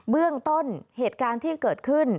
เบื้องต้นเหตุการณ์ที่เกิดขึ้น